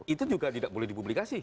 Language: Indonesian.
itu juga tidak boleh dipublikasi